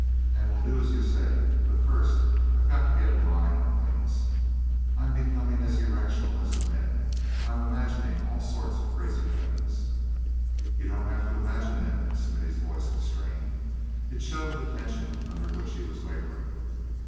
"And we'll do as you say; but first I've got to get a line on things. I'm becoming as irrational as the men. I'm imagining all sort of crazy things." "You don't have to imagine them." Smithy's voice was strained; it showed the tension under which he was laboring.